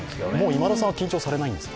今田さんは緊張されないんですか？